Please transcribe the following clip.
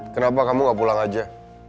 kenapa kamu gak pulang aja